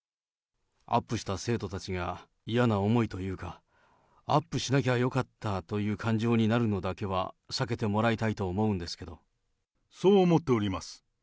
アップした生徒たちが嫌な思いというか、アップしなきゃよかったという感情になるのだけは、避けてもらいそう思っております。